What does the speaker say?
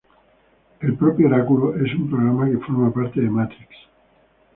El propio Oráculo es un programa que forma parte de Matrix.